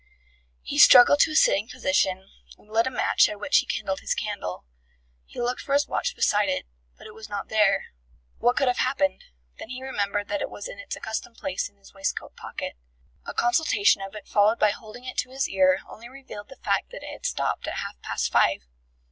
He struggled to a sitting position, and lit a match at which he kindled his candle. He looked for his watch beside it, but it was not there. What could have happened then he remembered that it was in its accustomed place in his waistcoat pocket. A consultation of it followed by holding it to his ear only revealed the fact that it had stopped at half past five.